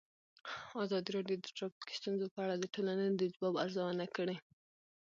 ازادي راډیو د ټرافیکي ستونزې په اړه د ټولنې د ځواب ارزونه کړې.